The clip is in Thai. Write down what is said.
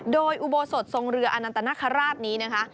โดยอุโบสถทรงเรืออนันตนาคาราชนี้นะคะ